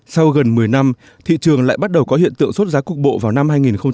sau gần một mươi năm thị trường lại bắt đầu có hiện tượng sốt giá cục bộ vào năm hai nghìn một mươi chín